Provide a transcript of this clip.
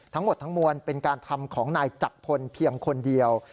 ทั้งหมดทั้งมวลเป็นการทำของนายจักรพลเพียงคนเดียว